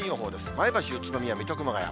前橋、宇都宮、水戸、熊谷。